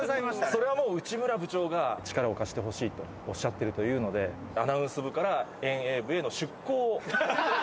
それはもう内村部長が、力を貸して欲しいとおっしゃってるというので、アナウンス部から遠泳部への出向を。